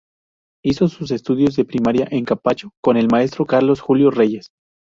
Hizo sus estudios de primaria en Capacho, con el maestro Carlos Julio Reyes.